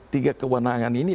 tiga kewenangan ini